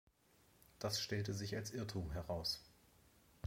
Das stellte sich als Irrtum heraus.